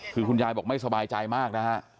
คือคุณยายบอกไม่สบายใจมากนะฮะ